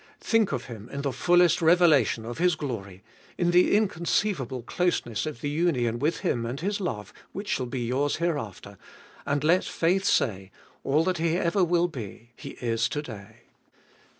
Think of Him in the fullest revelation of His glory, in the inconceivable closeness of the union with Him and His love which shall be yours hereafter, and let faith say, All that He ever will be, He is to day.